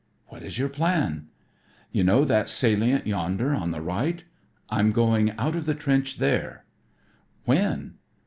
"What is your plan?" "You know that salient yonder on the right? I'm going out of the trench there." "When?"